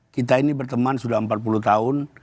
kita ini berteman sudah empat puluh tahun